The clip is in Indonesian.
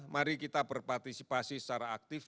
mari kita berpartisipasi secara aktif